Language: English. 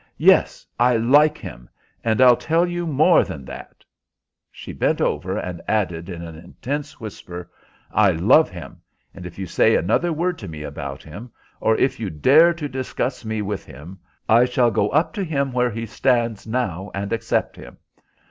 "Yes, I like him, and I'll tell you more than that;" she bent over and added in an intense whisper, "I love him, and if you say another word to me about him, or if you dare to discuss me with him, I shall go up to him where he stands now and accept him.